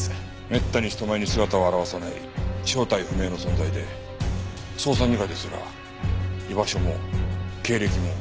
めったに人前に姿を現さない正体不明の存在で捜査二課ですら居場所も経歴も把握していない。